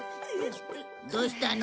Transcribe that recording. どうしたの？